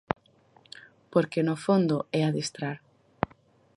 Porque no fondo é adestrar.